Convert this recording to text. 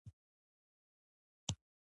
ښکلا یوازې په بڼه نه، په احساس کې ده.